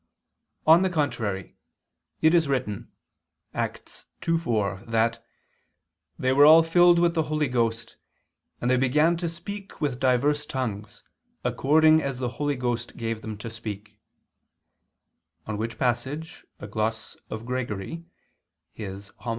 On the contrary, It is written (Acts 2:4) that "they were all filled with the Holy Ghost, and they began to speak with divers tongues, according as the Holy Ghost gave them to speak"; on which passage a gloss of Gregory [*Hom.